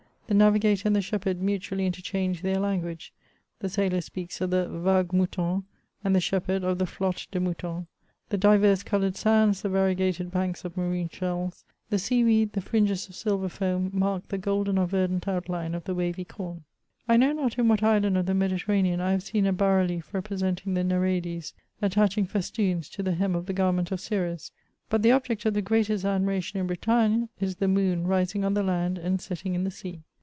The navigator and the shepherd mutually interchange their language, the sailor speaks of the '^ vagues moutonnent," and the shepherd of the " flottes de moutons." The divers coloured sands, the variegated banks of marine shells, the sea weed, the fringes of silver foam mark the golden or verdant outline of the wavy com. I know not CHATEAUBRUND. 8 1 in what isbuid of the Mediterranean I have seen a bas relief representing the Nereides attaching festoon»to the hem of tibe garment of Ceres. fiat the object of the greatest admiration in Bretagae is the moon rising on the land and setting in the sea.